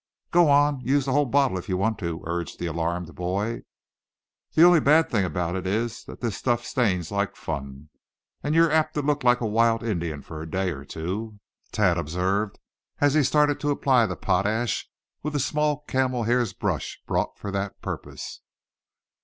"Go on, use the whole bottle if you want to," urged the alarmed boy. "The only bad thing about it is that this stuff stains like fun, and you'll be apt to look like a wild Indian for a day or two," Thad observed, as he started to apply the potash with a small camel's hair brush brought for the purpose.